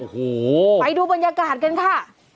โอ้โหไปดูบรรยากาศกันค่ะ